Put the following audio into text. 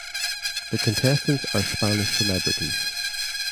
The contestants are Spanish celebrities.